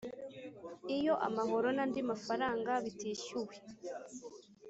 Iyo amahoro n andi mafaranga bitishyuwe